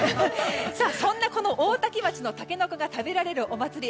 そんなこの大多喜町のタケノコが食べられるお祭り